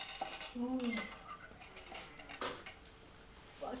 うん。